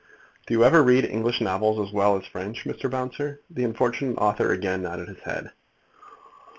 "Do you ever read English novels as well as French, Mr. Bouncer?" The unfortunate author again nodded his head.